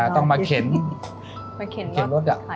ต้องมาเข็นรถถ่ายของ